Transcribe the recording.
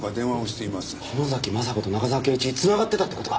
昌子と中沢啓一つながってたって事か？